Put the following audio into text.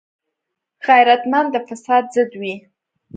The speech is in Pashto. غیرتمند د فساد ضد وي